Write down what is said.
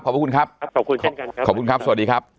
ขอบคุณครับขอบคุณครับสวัสดีครับ